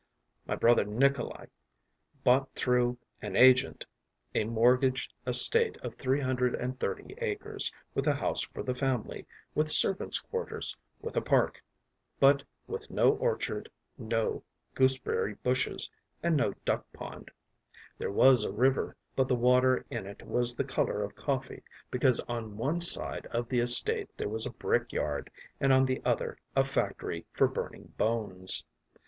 My brother Nikolay bought through an agent a mortgaged estate of three hundred and thirty acres, with a house for the family, with servants’ quarters, with a park, but with no orchard, no gooseberry bushes, and no duck pond; there was a river, but the water in it was the colour of coffee, because on one side of the estate there was a brickyard and on the other a factory for burning bones.